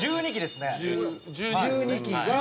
１２期が。